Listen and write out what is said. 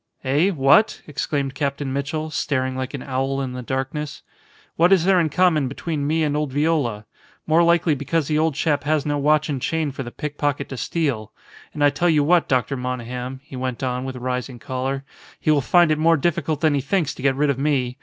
"Eh? What?" exclaimed Captain Mitchell, staring like an owl in the darkness. "What is there in common between me and old Viola? More likely because the old chap has no watch and chain for the pickpocket to steal. And I tell you what, Dr. Monygham," he went on with rising choler, "he will find it more difficult than he thinks to get rid of me.